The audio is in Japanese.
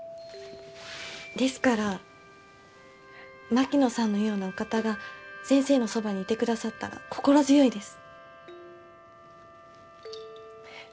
ですから槙野さんのようなお方が先生のそばにいてくださったら心強いです。